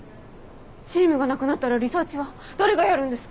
チームがなくなったらリサーチは誰がやるんですか？